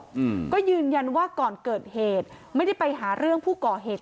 อืมก็ยืนยันว่าก่อนเกิดเหตุไม่ได้ไปหาเรื่องผู้ก่อเหตุ